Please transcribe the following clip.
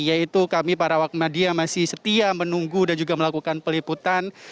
yaitu kami para awak media masih setia menunggu dan juga melakukan peliputan